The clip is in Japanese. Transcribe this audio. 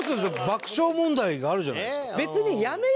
爆笑問題があるじゃないですか。